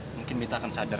mungkin mita akan sadar